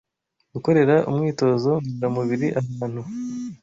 Gukorera umwitozo ngororamubiri ahantu